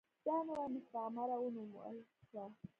دا نوې مستعمره ونومول شوه.